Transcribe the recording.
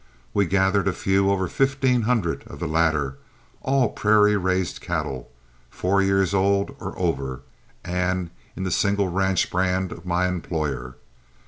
We gathered a few over fifteen hundred of the latter, all prairie raised cattle, four years old or over, and in the single ranch brand of my employer.